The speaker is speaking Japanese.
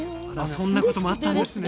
そんなこともあったんですね。